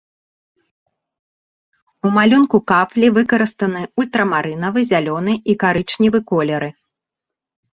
У малюнку кафлі выкарыстаны ультрамарынавы, зялёны і карычневы колеры.